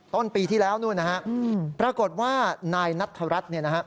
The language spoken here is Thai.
ต้นปีที่แล้วปรากฏว่านายนัทธารัฐ